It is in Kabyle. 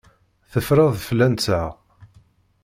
Teffreḍ fell-anteɣ.